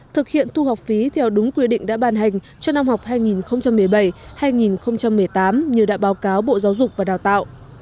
thực hiện thu học phí theo đúng quy định đã ban hành cho năm học hai nghìn một mươi bảy hai nghìn một mươi tám như đã báo cáo bộ giáo dục và đào tạo